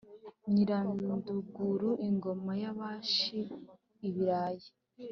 Nyiranduguru ingoma y'abashi-Ibirayi.